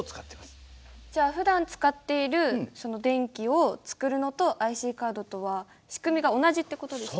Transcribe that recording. じゃあふだん使っているその電気を作るのとＩＣカードとは仕組みが同じって事ですか？